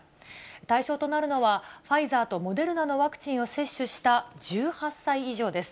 対象となるのは、ファイザーとモデルナのワクチンを接種した１８歳以上です。